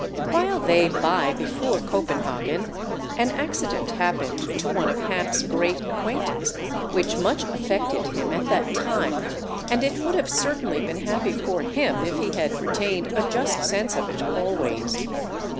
While they by before Copenhagen, an accident happened to one of Hamp's great acquaintance, which much affected him at that time, and it would have certainly have been happy for him if he had retained a just sense of it always.